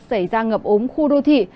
xảy ra ngập ống khu đô thị